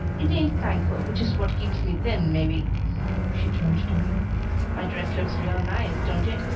I ain't thankful, which is what keeps me thin, maybe." She turned to me. "My dress looks real nice, don't it?